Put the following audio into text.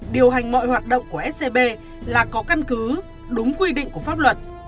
điều hành mọi hoạt động của scb là có căn cứ đúng quy định của pháp luật